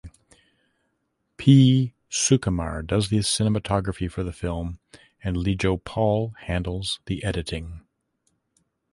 P Sukumar does the cinematography for the film and Lijo Paul handles the editing.